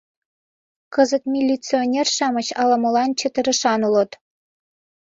Кызыт милиционер-шамыч ала-молан чытырышан улыт.